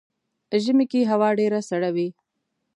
ژمی کې هوا ډیره سړه وي .